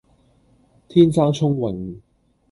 天生聰穎